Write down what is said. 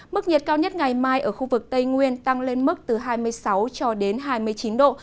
mức nhiệt cao nhất ngày mai ở khu vực tây nguyên tăng lên mức từ hai mươi sáu cho đến hai mươi chín độ